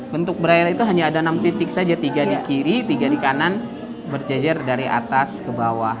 bentuk braille itu hanya ada enam titik saja tiga di kiri tiga di kanan berjejer dari atas ke bawah